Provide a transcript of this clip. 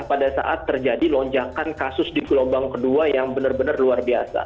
pada saat terjadi lonjakan kasus di gelombang kedua yang benar benar luar biasa